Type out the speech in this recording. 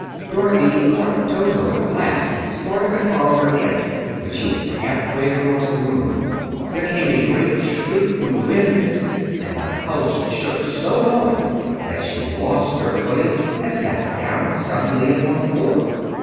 Dorothy caught Toto at last and started to follow her aunt. When she was halfway across the room there came a great shriek from the wind, and the house shook so hard that she lost her footing and sat down suddenly upon the floor.